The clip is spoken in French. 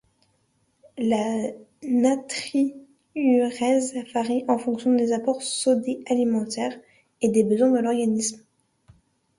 La natriurèse varie en fonction des apports sodés alimentaires et des besoins de l'organisme.